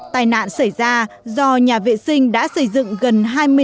tai nạn xảy ra do nhà vệ sinh đã xây dựng gần hai mươi